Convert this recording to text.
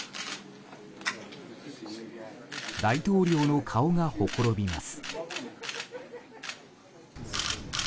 大統領の顔がほころびます。